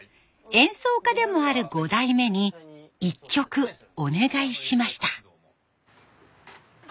演奏家でもある五代目に一曲お願いしました。